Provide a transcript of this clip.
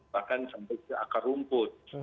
bahkan sampai ke akar rumput